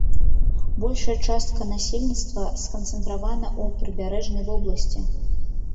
Большая частка насельніцтва сканцэнтравана ў прыбярэжнай вобласці.